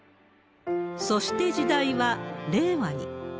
そして、時代は令和に。